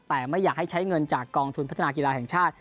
แต่ไม่อยากให้ใช้เงินจากกองทุนพัฒนากีฬาแห่งชาติ